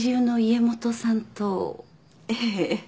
ええ。